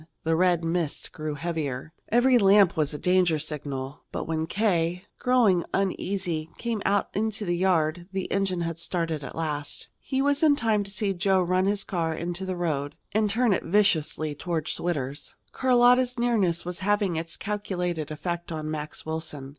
The red mist grew heavier. Every lamp was a danger signal. But when K., growing uneasy, came out into the yard, the engine had started at last. He was in time to see Joe run his car into the road and turn it viciously toward Schwitter's. Carlotta's nearness was having its calculated effect on Max Wilson.